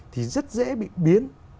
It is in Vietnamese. thì rất dễ bị biến